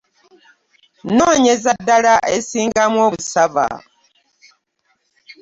Noonyeza ddala esingamu obusava.